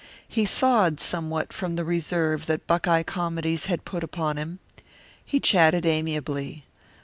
He thawed somewhat from the reserve that Buckeye comedies had put upon him. He chatted amiably.